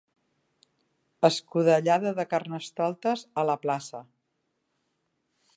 Escudellada de Carnestoltes a la plaça.